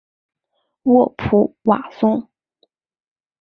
沃普瓦松。